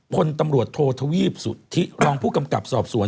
พลตำรวจโทษทวีปสุธิรองผู้กำกับสอบสวน